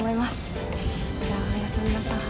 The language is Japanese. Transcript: じゃあおやすみなさい。